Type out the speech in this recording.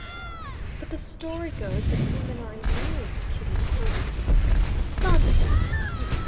"But the story goes that women are immune, Kitty." "Nonsense!